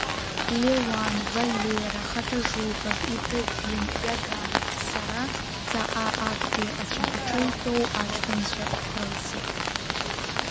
Леуан, Валера Хатажуков, Ибрагим Иаганов, сара, ҵаҟа, актәи ацәаҳәаҿы итәоу аҷкәынцәа ҳрылсит.